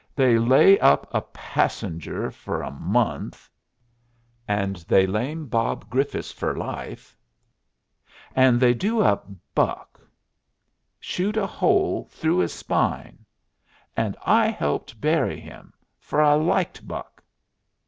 "They lay up a passenger fer a month. And they lame Bob Griffiths fer life. And then they do up Buck. Shoot a hole through his spine. And I helped bury him; fer I liked Buck."